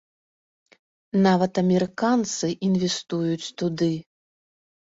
Нават амерыканцы інвестуюць туды.